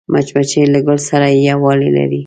مچمچۍ له ګل سره یووالی لري